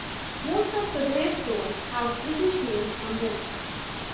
Most of the gravestones have British names on them.